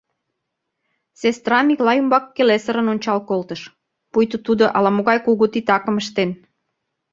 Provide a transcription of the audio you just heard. Сестра Миклай ӱмбак келесырын ончал колтыш, пуйто тудо ала-могай кугу титакым ыштен.